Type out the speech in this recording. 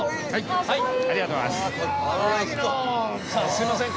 すいません